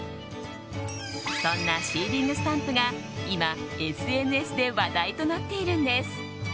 そんなシーリングスタンプが今、ＳＮＳで話題となっているんです。